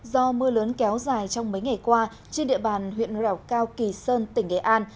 do mưa lớn kéo dài trong mấy ngày qua trên địa bàn huyện rào cao kỳ sơn tỉnh nghệ an